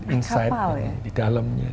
insight ini di dalamnya